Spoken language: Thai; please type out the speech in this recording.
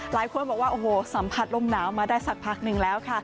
หลายคนบอกว่าโอ้โหสัมผัสลมหนาวมาได้สักพักหนึ่งแล้วค่ะ